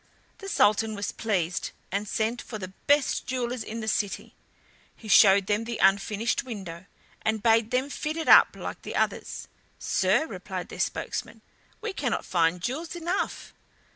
The Sultan was pleased, and sent for the best jewelers in the city. He showed them the unfinished window, and bade them fit it up like the others. "Sir," replied their spokesman, "we cannot find jewels enough."